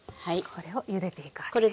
これをゆでていくわけですね。